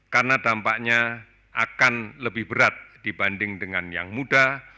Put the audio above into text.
karena dampaknya akan lebih berat dibanding dengan yang muda